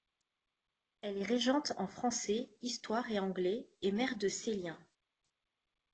Elle est régente en français, histoire et anglais et mère de Celien.